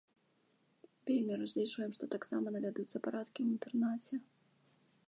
Вельмі разлічваем, што таксама навядуцца парадкі ў інтэрнаце.